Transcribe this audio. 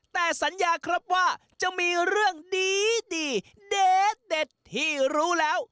แต่สัญญาครับว่าจะมีเรื่องดีเด็ดที่รู้แล้ว